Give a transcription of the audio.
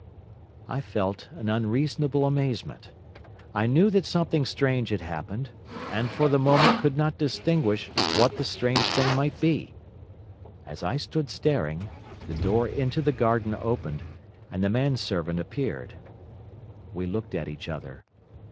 I felt an unreasonable amazement. I knew that something strange had happened, and for the moment could not distinguish what the strange thing might be. As I stood staring, the door into the garden opened, and the man servant appeared. We looked at each other.